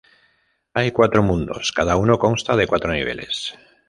Hay cuatro mundos, cada uno consta de cuatro niveles.